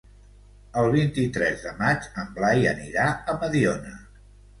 El vint-i-tres de maig en Blai anirà a Mediona.